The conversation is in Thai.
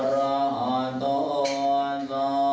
ร่าง